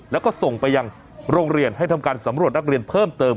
แล้วก็ส่งไปยังโรงเรียนให้ทำการสำรวจนักเรียนเพิ่มเติม